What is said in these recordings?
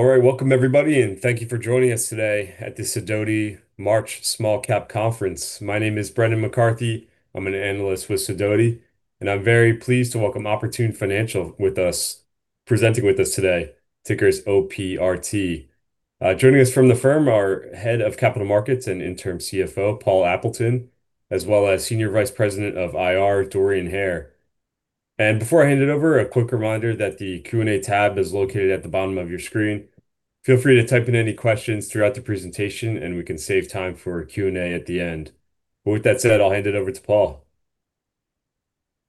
All right. Welcome everybody, and thank you for joining us today at the Sidoti March Small Cap Conference. My name is Brendan McCarthy. I'm an analyst with Sidoti, and I'm very pleased to welcome Oportun Financial with us, presenting with us today. Ticker is OPRT. Joining us from the firm, our Head of Capital Markets and Interim CFO, Paul Appleton, as well as Senior Vice President of IR, Dorian Hare. Before I hand it over, a quick reminder that the Q&A tab is located at the bottom of your screen. Feel free to type in any questions throughout the presentation, and we can save time for Q&A at the end. With that said, I'll hand it over to Paul.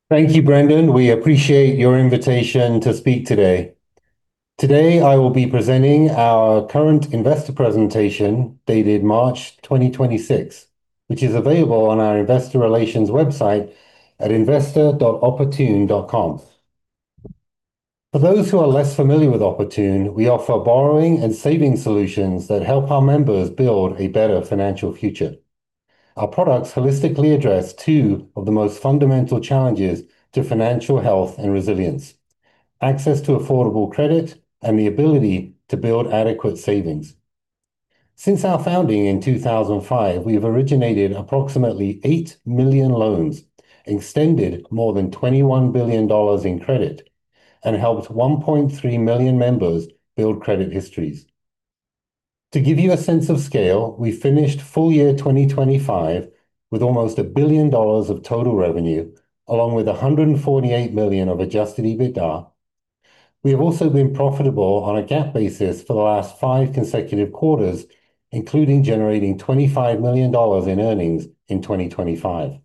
Thank you, Brendan. We appreciate your invitation to speak today. Today, I will be presenting our current investor presentation, dated March 2026, which is available on our investor relations website at investor.oportun.com. For those who are less familiar with Oportun, we offer borrowing and saving solutions that help our members build a better financial future. Our products holistically address two of the most fundamental challenges to financial health and resilience, access to affordable credit and the ability to build adequate savings. Since our founding in 2005, we have originated approximately 8 million loans, extended more than $21 billion in credit, and helped 1.3 million members build credit histories. To give you a sense of scale, we finished full year 2025 with almost $1 billion of total revenue, along with $148 million of Adjusted EBITDA. We have also been profitable on a GAAP basis for the last five consecutive quarters, including generating $25 million in earnings in 2025.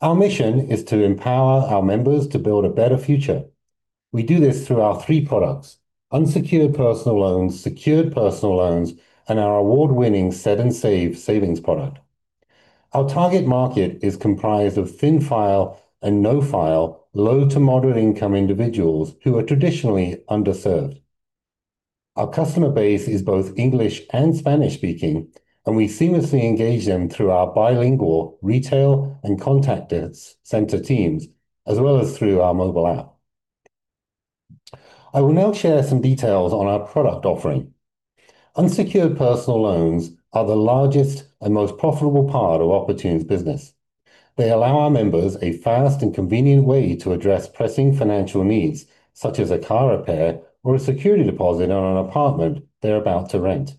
Our mission is to empower our members to build a better future. We do this through our three products, unsecured personal loans, secured personal loan, and our award-winning Set & Save savings product. Our target market is comprised of thin-file and no-file, low to moderate income individuals who are traditionally underserved. Our customer base is both English and Spanish-speaking, and we seamlessly engage them through our bilingual, retail, and contact center teams, as well as through our mobile app. I will now share some details on our product offering. Unsecured personal loans are the largest and most profitable part of Oportun's business. They allow our members a fast and convenient way to address pressing financial needs, such as a car repair or a security deposit on an apartment they're about to rent.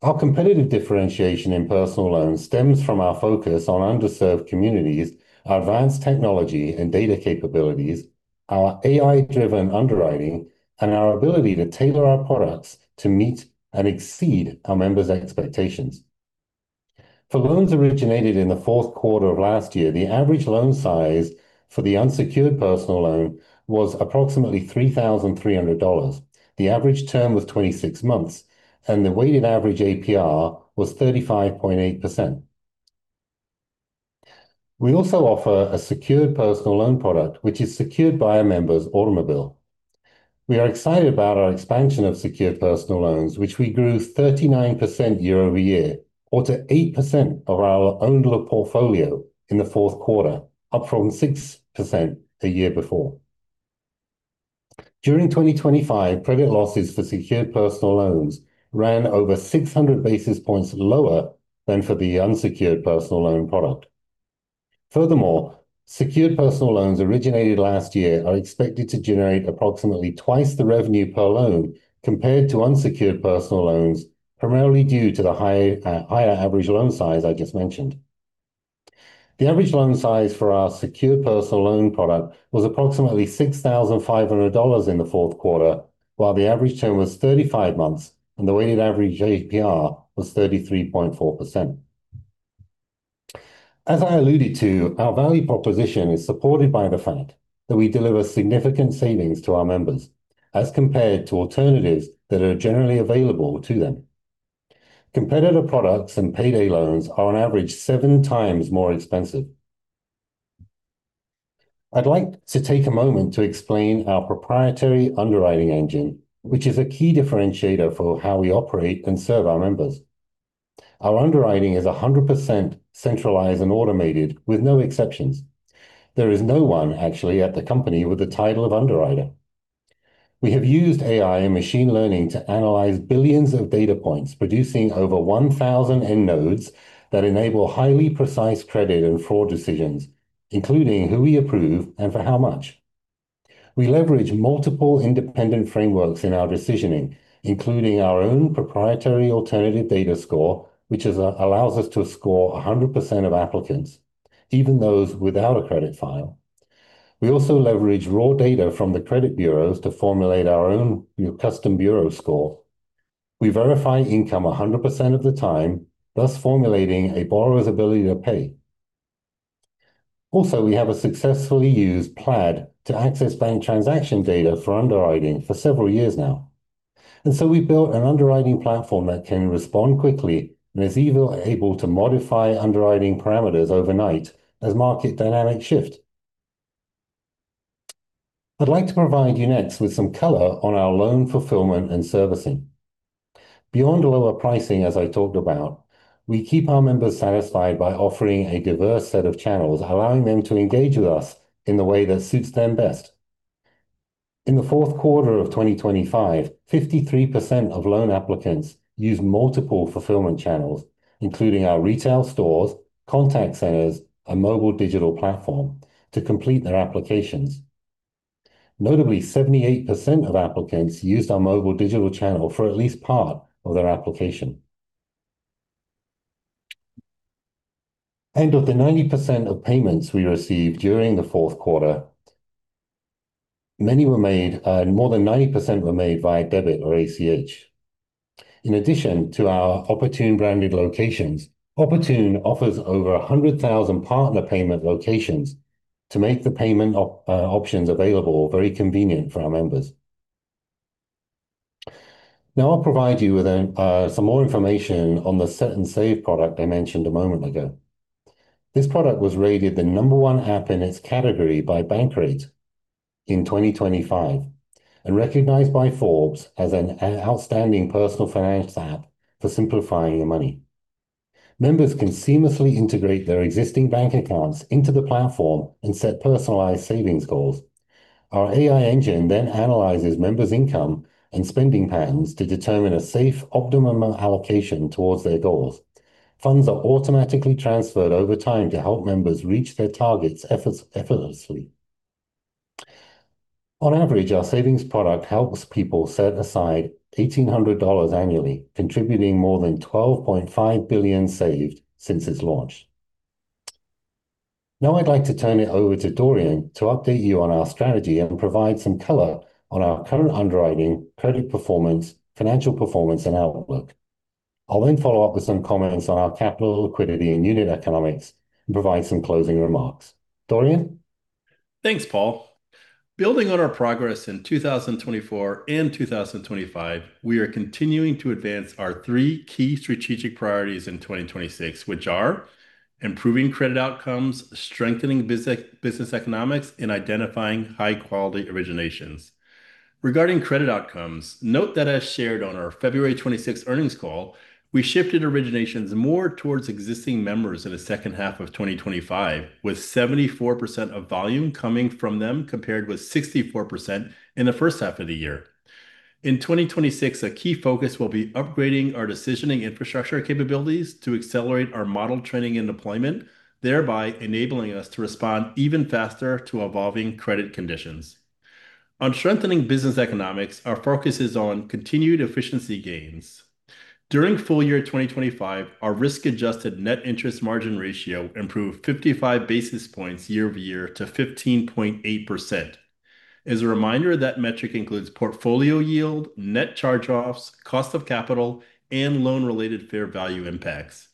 Our competitive differentiation in personal loans stems from our focus on underserved communities, our advanced technology and data capabilities, our AI-driven underwriting, and our ability to tailor our products to meet and exceed our members' expectations. For loans originated in the fourth quarter of last year, the average loan size for the unsecured personal loan was approximately $3,300. The average term was 26 months, and the weighted average APR was 35.8%. We also offer a secured personal loan product, which is secured by a member's automobile. We are excited about our expansion of secured personal loan, which we grew 39% year-over-year to 8% of our owned portfolio in the fourth quarter, up from 6% the year before. During 2025, credit losses for secured personal loan ran over 600 basis points lower than for the unsecured personal loan product. Furthermore, secured personal loan originated last year are expected to generate approximately twice the revenue per loan compared to unsecured personal loans, primarily due to the higher average loan size I just mentioned. The average loan size for our secured personal loan product was approximately $6,500 in the fourth quarter, while the average term was 35 months and the weighted average APR was 33.4%. As I alluded to, our value proposition is supported by the fact that we deliver significant savings to our members as compared to alternatives that are generally available to them. Competitor products and payday loans are on average seven times more expensive. I'd like to take a moment to explain our proprietary underwriting engine, which is a key differentiator for how we operate and serve our members. Our underwriting is 100% centralized and automated with no exceptions. There is no one actually at the company with the title of underwriter. We have used AI and machine learning to analyze billions of data points, producing over 1,000 end nodes that enable highly precise credit and fraud decisions, including who we approve and for how much. We leverage multiple independent frameworks in our decisioning, including our own proprietary alternative data score, which allows us to score 100% of applicants, even those without a credit file. We also leverage raw data from the credit bureaus to formulate our own custom bureau score. We verify income 100% of the time, thus formulating a borrower's ability to pay. Also, we have successfully used Plaid to access bank transaction data for underwriting for several years now. We built an underwriting platform that can respond quickly and is available to modify underwriting parameters overnight as market dynamics shift. I'd like to provide you next with some color on our loan fulfillment and servicing. Beyond lower pricing, as I talked about, we keep our members satisfied by offering a diverse set of channels, allowing them to engage with us in the way that suits them best. In the fourth quarter of 2025, 53% of loan applicants used multiple fulfillment channels, including our retail stores, contact centers, and mobile digital platform to complete their applications. Notably, 78% of applicants used our mobile digital channel for at least part of their application. Of the 90% of payments we received during the fourth quarter, more than 90% were made via debit or ACH. In addition to our Oportun-branded locations, Oportun offers over 100,000 partner payment locations to make the payment options available very convenient for our members. Now I'll provide you with and some more information on the Set & Save product I mentioned a moment ago. This product was rated the number one app in its category by Bankrate in 2025 and recognized by Forbes as an outstanding personal finance app for simplifying your money. Members can seamlessly integrate their existing bank accounts into the platform and set personalized savings goals. Our AI engine then analyzes members' income and spending patterns to determine a safe optimum allocation towards their goals. Funds are automatically transferred over time to help members reach their targets effortlessly. On average, our savings product helps people set aside $1,800 annually, contributing more than $12.5 billion saved since its launch. Now I'd like to turn it over to Dorian to update you on our strategy and provide some color on our current underwriting, credit performance, financial performance, and outlook. I'll then follow up with some comments on our capital liquidity and unit economics and provide some closing remarks. Dorian? Thanks, Paul. Building on our progress in 2024 and 2025, we are continuing to advance our three key strategic priorities in 2026, which are improving credit outcomes, strengthening business economics, and identifying high-quality originations. Regarding credit outcomes, note that as shared on our February 26th earnings call, we shifted originations more towards existing members in the second half of 2025, with 74% of volume coming from them, compared with 64% in the first half of the year. In 2026, a key focus will be upgrading our decisioning infrastructure capabilities to accelerate our model training and deployment, thereby enabling us to respond even faster to evolving credit conditions. On strengthening business economics, our focus is on continued efficiency gains. During full year 2025, our risk-adjusted net interest margin ratio improved 55 basis points year-over-year to 15.8%. As a reminder, that metric includes portfolio yield, net charge-offs, cost of capital, and loan-related fair value impacts.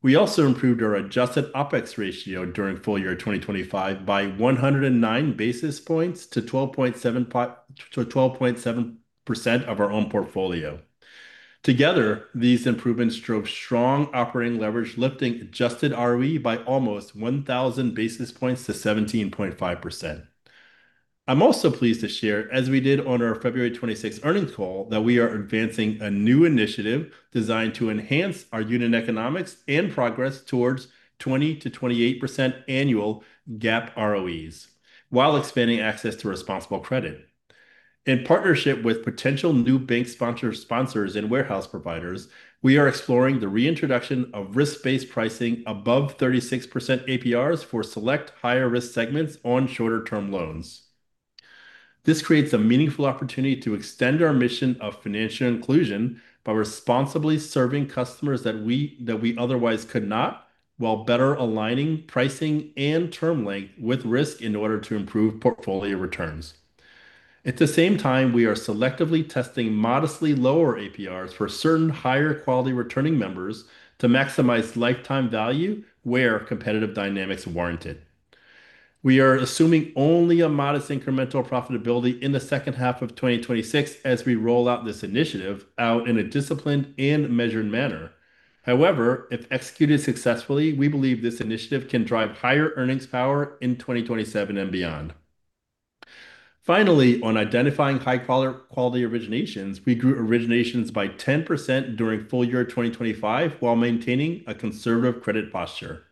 We also improved our adjusted OpEx ratio during full year 2025 by 109 basis points to 12.7% of our own portfolio. Together, these improvements drove strong operating leverage, lifting adjusted ROE by almost 1,000 basis points to 17.5%. I'm also pleased to share, as we did on our February 26 earnings call, that we are advancing a new initiative designed to enhance our unit economics and progress towards 20%-28% annual GAAP ROEs while expanding access to responsible credit. In partnership with potential new bank sponsors and warehouse providers, we are exploring the reintroduction of risk-based pricing above 36% APRs for select higher-risk segments on shorter-term loans. This creates a meaningful opportunity to extend our mission of financial inclusion by responsibly serving customers that we otherwise could not while better aligning pricing and term length with risk in order to improve portfolio returns. At the same time, we are selectively testing modestly lower APRs for certain higher quality returning members to maximize lifetime value where competitive dynamics warrant it. We are assuming only a modest incremental profitability in the second half of 2026 as we roll out this initiative in a disciplined and measured manner. However, if executed successfully, we believe this initiative can drive higher earnings power in 2027 and beyond. Finally, on identifying high quality originations, we grew originations by 10% during full year 2025 while maintaining a conservative credit posture.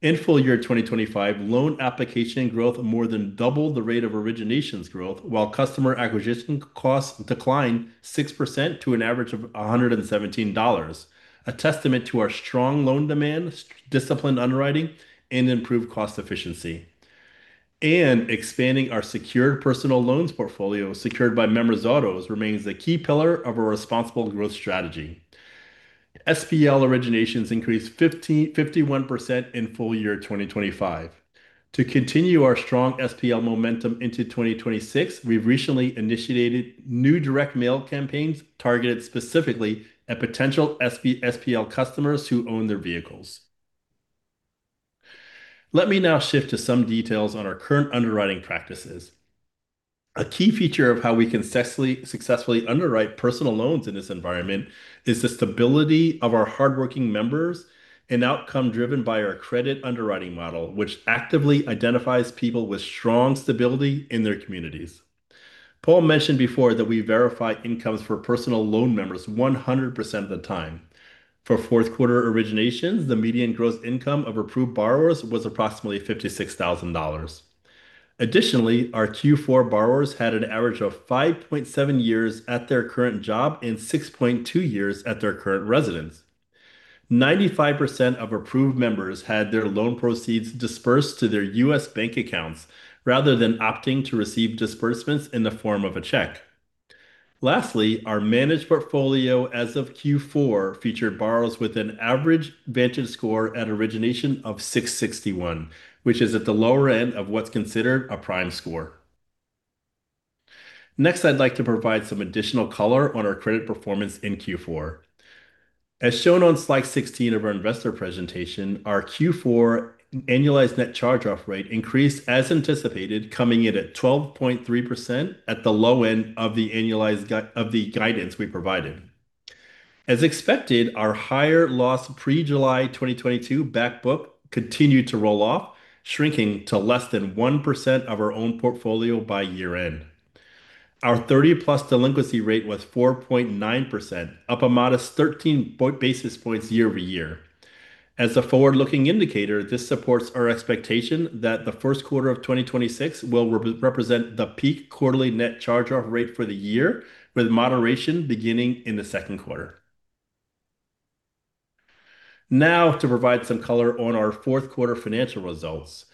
In full year 2025, loan application growth more than doubled the rate of originations growth while customer acquisition costs declined 6% to an average of $117, a testament to our strong loan demand, disciplined underwriting, and improved cost efficiency. Expanding our secured personal loans portfolio secured by members' autos remains a key pillar of a responsible growth strategy. SPL originations increased 51% in full year 2025. To continue our strong SPL momentum into 2026, we've recently initiated new direct mail campaigns targeted specifically at potential SPL customers who own their vehicles. Let me now shift to some details on our current underwriting practices. A key feature of how we can successfully underwrite personal loans in this environment is the stability of our hardworking members and outcome driven by our credit underwriting model, which actively identifies people with strong stability in their communities. Paul mentioned before that we verify incomes for personal loan members 100% of the time. For fourth quarter originations, the median gross income of approved borrowers was approximately $56,000. Additionally, our Q4 borrowers had an average of 5.7 years at their current job and 6.2 years at their current residence. 95% of approved members had their loan proceeds dispersed to their U.S. bank accounts rather than opting to receive disbursements in the form of a check. Lastly, our managed portfolio as of Q4 featured borrowers with an average VantageScore at origination of 661, which is at the lower end of what's considered a prime score. Next, I'd like to provide some additional color on our credit performance in Q4. As shown on slide 16 of our investor presentation, our Q4 annualized net charge-off rate increased as anticipated, coming in at 12.3% at the low end of the annualized guidance we provided. As expected, our higher loss pre-July 2022 back book continued to roll off, shrinking to less than 1% of our own portfolio by year-end. Our 30+ delinquency rate was 4.9%, up a modest 13 basis points year-over-year. As a forward-looking indicator, this supports our expectation that the first quarter of 2026 will represent the peak quarterly net charge-off rate for the year, with moderation beginning in the second quarter. Now to provide some color on our fourth quarter financial results.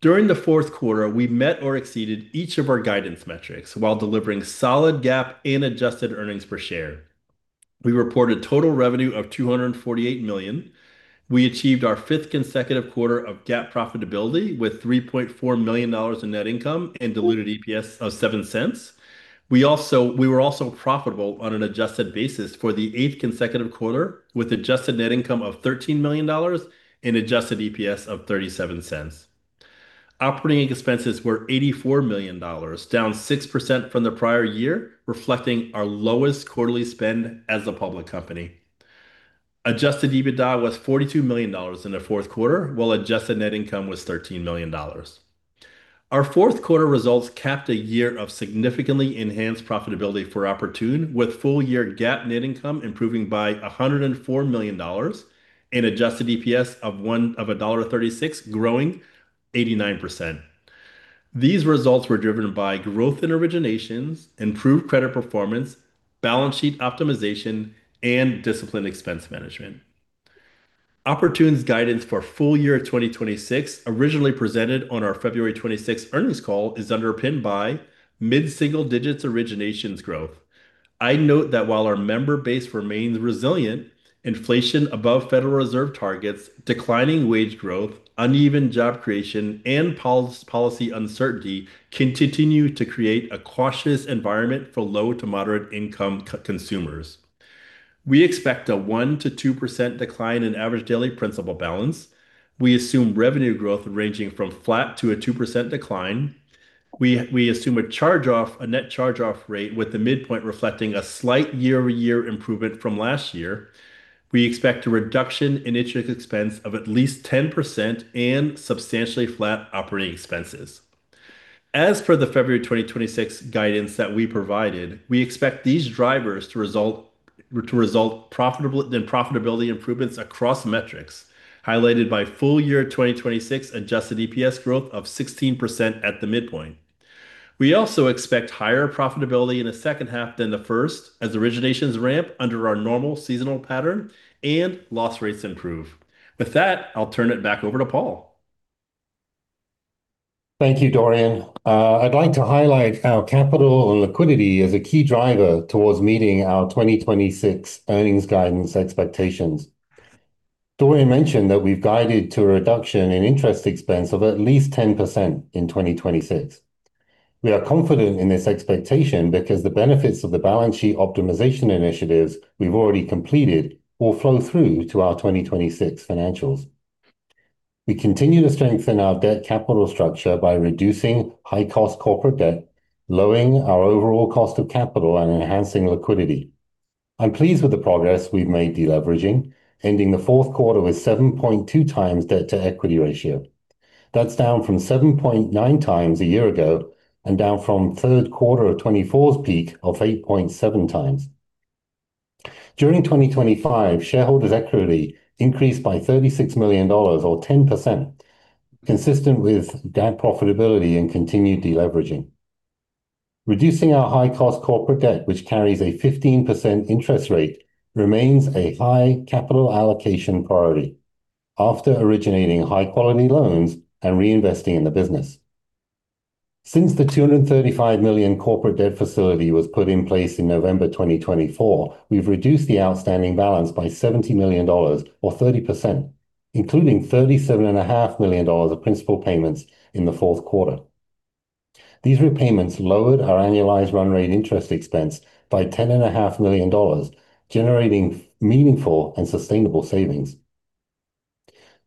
During the fourth quarter, we met or exceeded each of our guidance metrics while delivering solid GAAP and adjusted earnings per share. We reported total revenue of $248 million. We achieved our fifth consecutive quarter of GAAP profitability with $3.4 million in net income and diluted EPS of $0.07. We were also profitable on an adjusted basis for the eighth consecutive quarter, with adjusted net income of $13 million and adjusted EPS of $0.37. Operating expenses were $84 million, down 6% from the prior year, reflecting our lowest quarterly spend as a public company. Adjusted EBITDA was $42 million in the fourth quarter, while adjusted net income was $13 million. Our fourth quarter results capped a year of significantly enhanced profitability for Oportun, with full-year GAAP net income improving by $104 million and adjusted EPS of $1.36 growing 89%. These results were driven by growth in originations, improved credit performance, balance sheet optimization, and disciplined expense management. Oportun's guidance for full year 2026, originally presented on our February 26th earnings call, is underpinned by mid-single digits originations growth. I'd note that while our member base remains resilient, inflation above Federal Reserve targets, declining wage growth, uneven job creation, and policy uncertainty continue to create a cautious environment for low to moderate income consumers. We expect a 1%-2% decline in average daily principal balance. We assume revenue growth ranging from flat to a 2% decline. We assume a net charge-off rate with the midpoint reflecting a slight year-over-year improvement from last year. We expect a reduction in interest expense of at least 10% and substantially flat operating expenses. As for the February 2026 guidance that we provided, we expect these drivers to result in profitability improvements across metrics, highlighted by full year 2026 adjusted EPS growth of 16% at the midpoint. We also expect higher profitability in the second half than the first as originations ramp under our normal seasonal pattern and loss rates improve. With that, I'll turn it back over to Paul. Thank you, Dorian. I'd like to highlight our capital and liquidity as a key driver towards meeting our 2026 earnings guidance expectations. Dorian mentioned that we've guided to a reduction in interest expense of at least 10% in 2026. We are confident in this expectation because the benefits of the balance sheet optimization initiatives we've already completed will flow through to our 2026 financials. We continue to strengthen our debt capital structure by reducing high-cost corporate debt, lowering our overall cost of capital, and enhancing liquidity. I'm pleased with the progress we've made deleveraging, ending the fourth quarter with 7.2x debt-to-equity ratio. That's down from 7.9x a year ago and down from third quarter of 2024's peak of 8.7x. During 2025, shareholders equity increased by $36 million or 10%, consistent with GAAP profitability and continued deleveraging. Reducing our high-cost corporate debt, which carries a 15% interest rate, remains a high capital allocation priority after originating high-quality loans and reinvesting in the business. Since the $235 million corporate debt facility was put in place in November 2024, we've reduced the outstanding balance by $70 million or 30%, including $37.5 million of principal payments in the fourth quarter. These repayments lowered our annualized run rate interest expense by $10.5 million, generating meaningful and sustainable savings.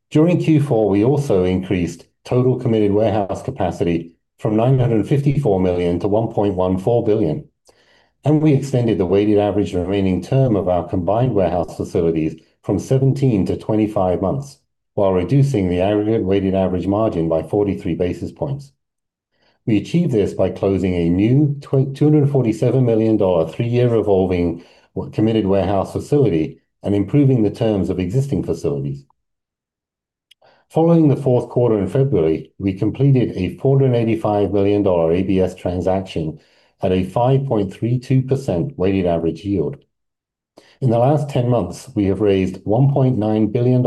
During Q4, we also increased total committed warehouse capacity from $954 million-$1.14 billion. We extended the weighted average remaining term of our combined warehouse facilities from 17 to 25 months while reducing the aggregate weighted average margin by 43 basis points. We achieved this by closing a new $247 million three-year revolving committed warehouse facility and improving the terms of existing facilities. Following the fourth quarter in February, we completed a $485 million ABS transaction at a 5.32% weighted average yield. In the last 10 months, we have raised $1.9 billion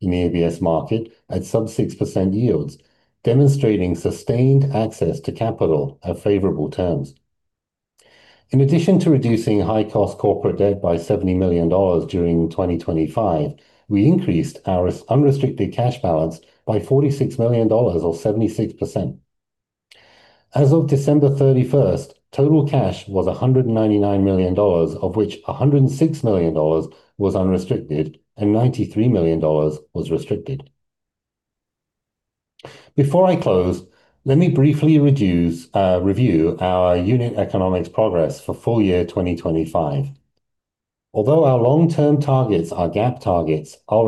in the ABS market at sub-6% yields, demonstrating sustained access to capital at favorable terms. In addition to reducing high-cost corporate debt by $70 million during 2025, we increased our unrestricted cash balance by $46 million or 76%. As of December 31st, total cash was $199 million, of which $106 million was unrestricted and $93 million was restricted. Before I close, let me briefly review our unit economics progress for full year 2025. Although our long-term targets are GAAP targets, I'll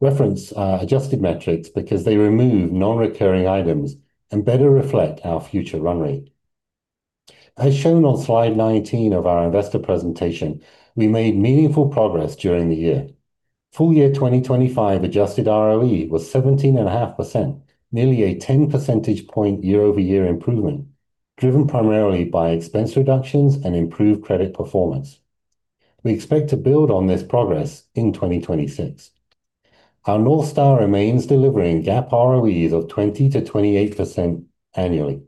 reference adjusted metrics because they remove non-recurring items and better reflect our future run rate. As shown on slide 19 of our investor presentation, we made meaningful progress during the year. Full year 2025 adjusted ROE was 17.5%, nearly a 10 percentage point year-over-year improvement, driven primarily by expense reductions and improved credit performance. We expect to build on this progress in 2026. Our North Star remains delivering GAAP ROEs of 20%-28% annually.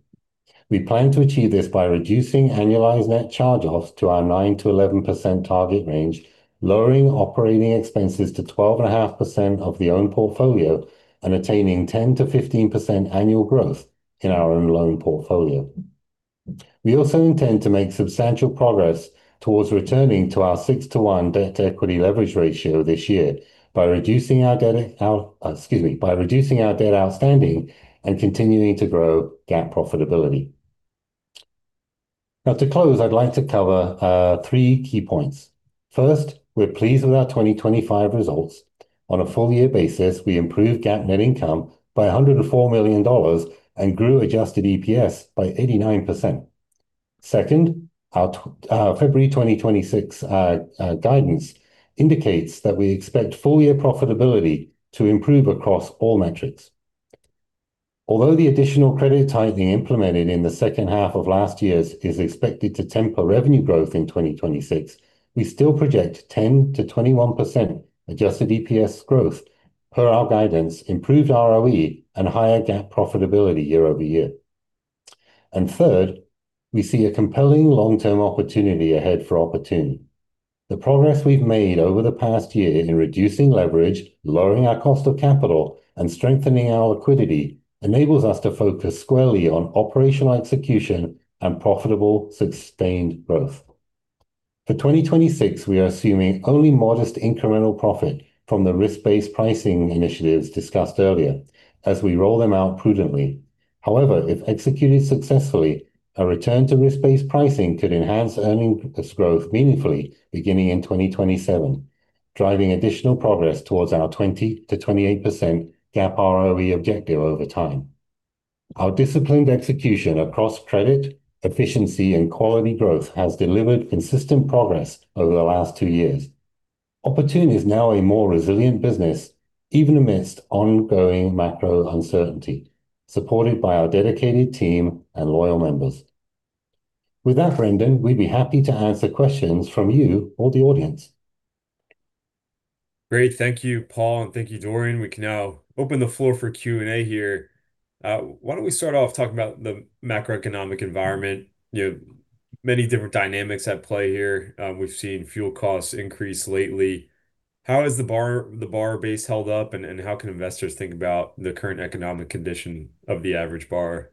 We plan to achieve this by reducing annualized net charge-offs to our 9%-11% target range, lowering operating expenses to 12.5% of the earned portfolio, and attaining 10%-15% annual growth in our loan portfolio. We also intend to make substantial progress towards returning to our 6-to-1 debt-to-equity leverage ratio this year by reducing our debt outstanding and continuing to grow GAAP profitability. Now to close, I'd like to cover three key points. First, we're pleased with our 2025 results. On a full-year basis, we improved GAAP net income by $104 million and grew adjusted EPS by 89%. Second, our February 2026 guidance indicates that we expect full-year profitability to improve across all metrics. Although the additional credit tightening implemented in the second half of last year is expected to temper revenue growth in 2026, we still project 10%-21% adjusted EPS growth per our guidance, improved ROE, and higher GAAP profitability year over year. Third, we see a compelling long-term opportunity ahead for Oportun. The progress we've made over the past year in reducing leverage, lowering our cost of capital, and strengthening our liquidity enables us to focus squarely on operational execution and profitable, sustained growth. For 2026, we are assuming only modest incremental profit from the risk-based pricing initiatives discussed earlier as we roll them out prudently. However, if executed successfully, a return to risk-based pricing could enhance earnings growth meaningfully beginning in 2027, driving additional progress towards our 20%-28% GAAP ROE objective over time. Our disciplined execution across credit, efficiency, and quality growth has delivered consistent progress over the last two years. Oportun is now a more resilient business, even amidst ongoing macro uncertainty, supported by our dedicated team and loyal members. With that, Brendan, we'd be happy to answer questions from you or the audience. Great. Thank you, Paul, and thank you, Dorian. We can now open the floor for Q&A here. Why don't we start off talking about the macroeconomic environment? You know, many different dynamics at play here. We've seen fuel costs increase lately. How has the borrower base held up, and how can investors think about the current economic condition of the average borrower?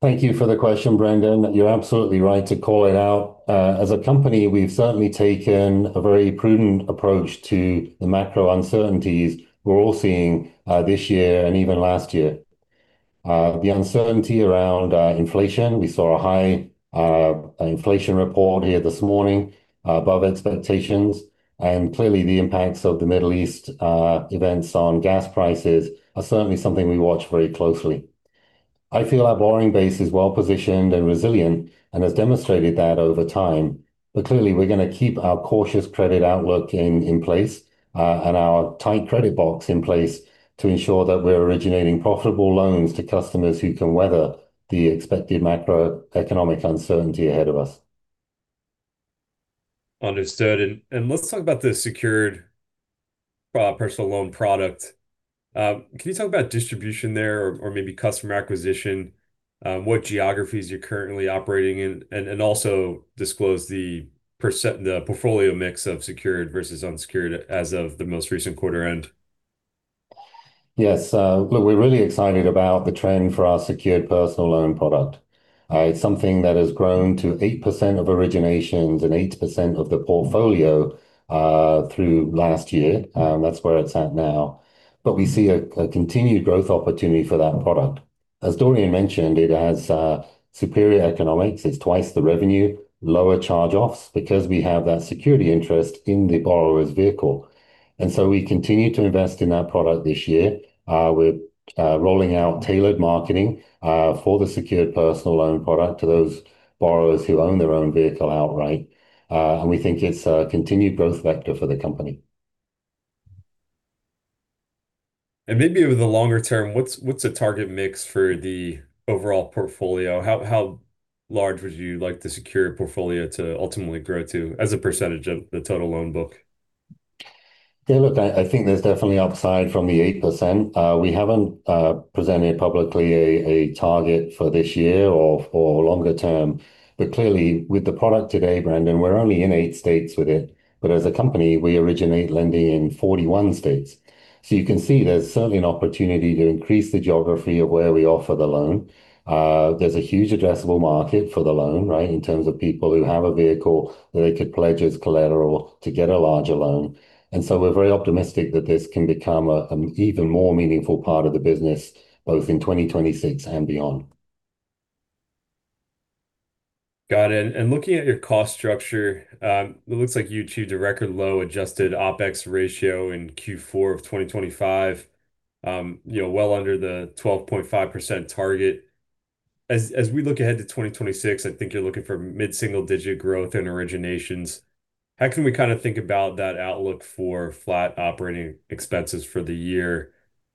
Thank you for the question, Brendan. You're absolutely right to call it out. As a company, we've certainly taken a very prudent approach to the macro uncertainties we're all seeing, this year and even last year. The uncertainty around inflation, we saw a high inflation report here this morning above expectations, and clearly the impacts of the Middle East events on gas prices are certainly something we watch very closely. I feel our borrowing base is well-positioned and resilient and has demonstrated that over time. Clearly, we're going to keep our cautious credit outlook in place, and our tight credit box in place to ensure that we're originating profitable loans to customers who can weather the expected macroeconomic uncertainty ahead of us. Understood. Let's talk about the secured personal loan product. Can you talk about distribution there or maybe customer acquisition, what geographies you're currently operating in, and also disclose the portfolio mix of secured versus unsecured as of the most recent quarter end? Yes. Look, we're really excited about the trend for our secured personal loan product. It's something that has grown to 8% of originations and 8% of the portfolio through last year. That's where it's at now. We see a continued growth opportunity for that product. As Dorian mentioned, it has superior economics. It's twice the revenue, lower charge-offs, because we have that security interest in the borrower's vehicle. We continue to invest in that product this year. We're rolling out tailored marketing for the secured personal loan product to those borrowers who own their own vehicle outright. We think it's a continued growth vector for the company. Maybe over the longer term, what's a target mix for the overall portfolio? How large would you like the secured portfolio to ultimately grow to as a percentage of the total loan book? Yeah, look, I think there's definitely upside from the 8%. We haven't presented publicly a target for this year or for longer term. Clearly, with the product today, Brandon, we're only in 8 states with it, but as a company we originate lending in 41 states. You can see there's certainly an opportunity to increase the geography of where we offer the loan. There's a huge addressable market for the loan, right, in terms of people who have a vehicle that they could pledge as collateral to get a larger loan. We're very optimistic that this can become an even more meaningful part of the business, both in 2026 and beyond. Got it. Looking at your cost structure, it looks like you achieved a record low adjusted OpEx ratio in Q4 of 2025, you know, well under the 12.5% target. As we look ahead to 2026, I think you're looking for mid-single-digit growth in originations. How can we kind of think about that outlook for flat operating expenses for the year?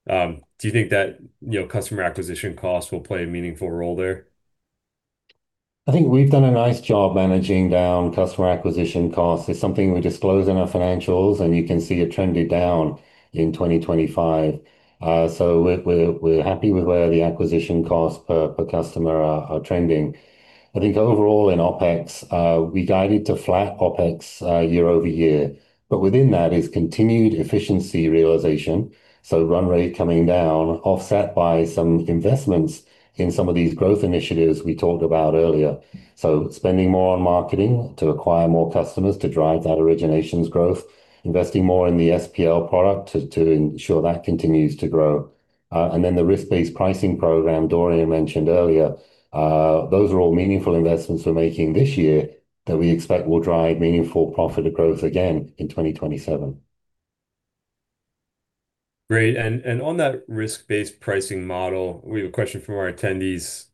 Do you think that, you know, customer acquisition costs will play a meaningful role there? I think we've done a nice job managing down customer acquisition costs. It's something we disclose in our financials, and you can see it trended down in 2025. We're happy with where the acquisition costs per customer are trending. I think overall in OpEx, we guided to flat OpEx, year-over-year. Within that is continued efficiency realization, so run rate coming down offset by some investments in some of these growth initiatives we talked about earlier. Spending more on marketing to acquire more customers to drive that originations growth. Investing more in the SPL product to ensure that continues to grow. Then the risk-based pricing program Dorian mentioned earlier, those are all meaningful investments we're making this year that we expect will drive meaningful profit growth again in 2027. Great. On that risk-based pricing model, we have a question from our attendees.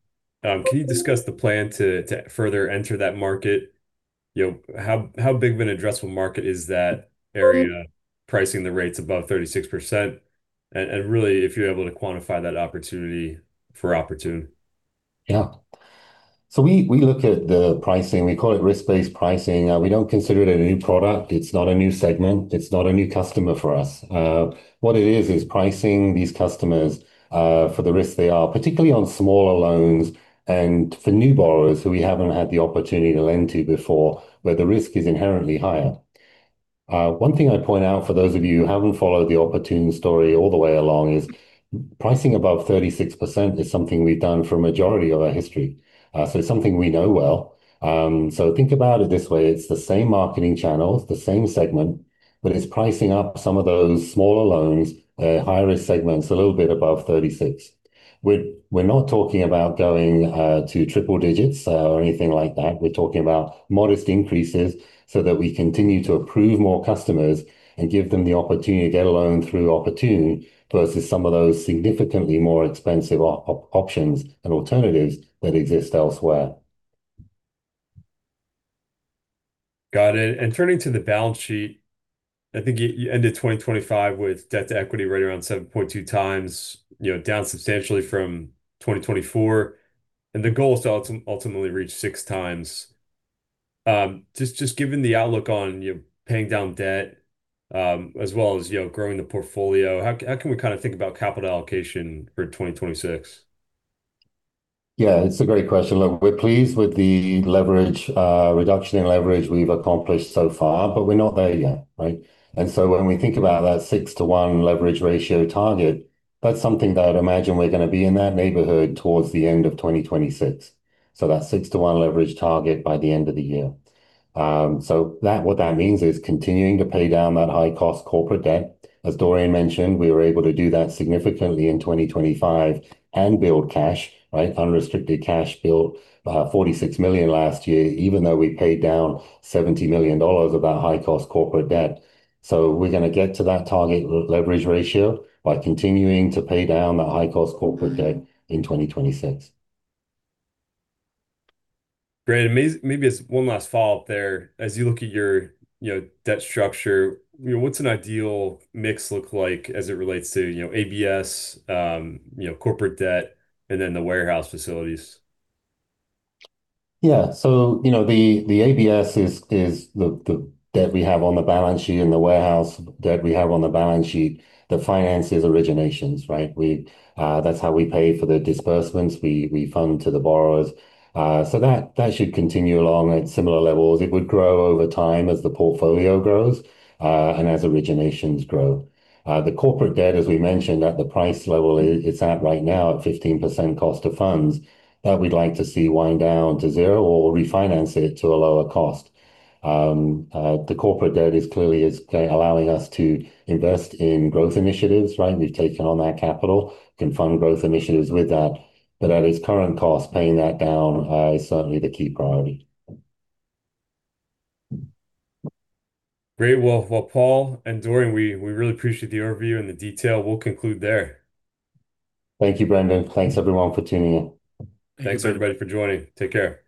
Can you discuss the plan to further enter that market? You know, how big of an addressable market is that area pricing the rates above 36%? Really, if you're able to quantify that opportunity for Oportun. Yeah. We look at the pricing. We call it risk-based pricing. We don't consider it a new product. It's not a new segment. It's not a new customer for us. What it is pricing these customers for the risk they are, particularly on smaller loans and for new borrowers who we haven't had the opportunity to lend to before, where the risk is inherently higher. One thing I'd point out for those of you who haven't followed the Oportun story all the way along is pricing above 36% is something we've done for a majority of our history. It's something we know well. Think about it this way. It's the same marketing channels, the same segment, but it's pricing up some of those smaller loans, higher risk segments a little bit above 36%. We're not talking about going to triple digits or anything like that. We're talking about modest increases so that we continue to approve more customers and give them the opportunity to get a loan through Oportun versus some of those significantly more expensive options and alternatives that exist elsewhere. Got it. Turning to the balance sheet, I think you ended 2025 with debt-to-equity right around 7.2x, you know, down substantially from 2024, and the goal is to ultimately reach 6x Just given the outlook on, you know, paying down debt, as well as, you know, growing the portfolio, how can we kind of think about capital allocation for 2026? Yeah, it's a great question. Look, we're pleased with the leverage reduction in leverage we've accomplished so far, but we're not there yet, right? When we think about that 6-to-1 leverage ratio target, that's something that I'd imagine we're gonna be in that neighborhood towards the end of 2026. That 6-to-1 leverage target by the end of the year. What that means is continuing to pay down that high-cost corporate debt. As Dorian Hare mentioned, we were able to do that significantly in 2025 and build cash, right? Unrestricted cash built $46 million last year, even though we paid down $70 million of that high-cost corporate debt. We're gonna get to that target leverage ratio by continuing to pay down the high-cost corporate debt in 2026. Great. Maybe as one last follow-up there, as you look at your, you know, debt structure, you know, what's an ideal mix look like as it relates to, you know, ABS, you know, corporate debt, and then the warehouse facilities? Yeah. You know, the ABS is the debt we have on the balance sheet and the warehouse debt we have on the balance sheet that finances originations, right? That's how we pay for the disbursements we fund to the borrowers. That should continue along at similar levels. It would grow over time as the portfolio grows, and as originations grow. The corporate debt, as we mentioned, at the price level it's at right now, at 15% cost of funds, that we'd like to see wind down to zero or refinance it to a lower cost. The corporate debt is clearly allowing us to invest in growth initiatives, right? We've taken on that capital, can fund growth initiatives with that. At its current cost, paying that down is certainly the key priority. Great. Well, Paul and Dorian, we really appreciate the overview and the detail. We'll conclude there. Thank you, Brandon. Thanks everyone for tuning in. Thanks everybody for joining. Take care. Bye.